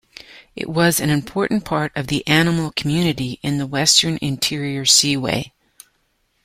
It was an important part of the animal community in the Western Interior Seaway.